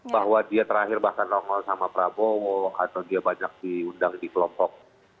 bahwa dia terakhir bahkan nongol sama prabowo atau dia banyak diundang di kelompok